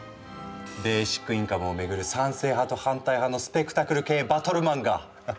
ベーシックインカムをめぐる賛成派と反対派のスペクタクル系バトル漫画！